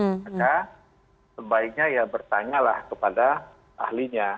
maka sebaiknya ya bertanya lah kepada ahlinya